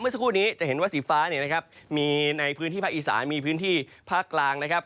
สักครู่นี้จะเห็นว่าสีฟ้าเนี่ยนะครับมีในพื้นที่ภาคอีสานมีพื้นที่ภาคกลางนะครับ